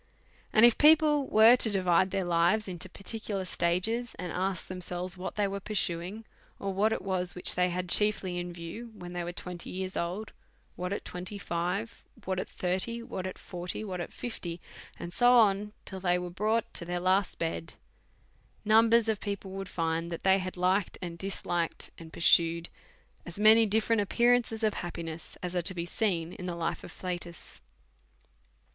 And if people were to divide their lives into parti cular stages, and ask themselves what they were pur suing, or what it vras wliich they had chiefly in view when tliey were twenty years old, what at twenty five, what at thirty, what at forty, what at fifty, and so on, till they were brought to their last bed ; numbers of people would find that they had liked and disliked, and pursued as many diiferent appearances of happiness as are t(vbe seen in the life of Flatus.